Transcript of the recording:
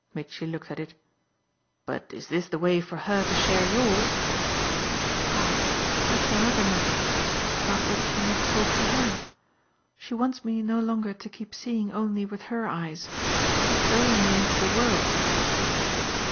Mitchy looked at it. "But is this the way for her to share yours?" "Ah that's another matter about which you must talk to HER. She wants me no longer to keep seeing only with her eyes. She's throwing me into the world."